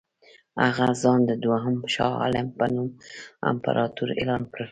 هغه ځان د دوهم شاه عالم په نوم امپراطور اعلان کړ.